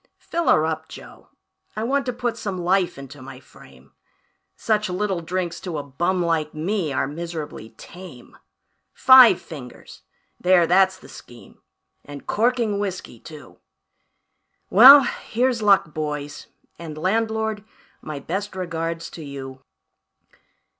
"Fill her up, Joe, I want to put some life into my frame Such little drinks to a bum like me are miserably tame; Five fingers there, that's the scheme and corking whiskey, too. Well, here's luck, boys, and landlord, my best regards to you.